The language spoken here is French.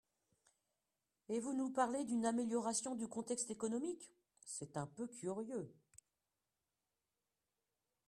Et vous nous parlez d’une amélioration du contexte économique, c’est un peu curieux